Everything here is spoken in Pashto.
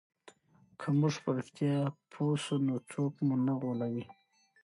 که موږ په رښتیا پوه سو نو څوک مو نه غولوي.